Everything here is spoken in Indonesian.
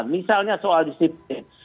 misalnya soal disiplin